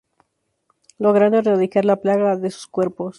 Logrando erradicar la plaga de sus cuerpos.